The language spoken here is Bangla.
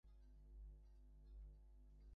পরাণ দাওয়ায় বসিয়া অর্থসমস্যার কথা ভাবিতেছিল।